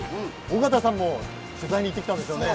尾形さんも取材に行ってきたんですよね。